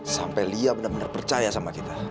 sampai lia benar benar percaya sama kita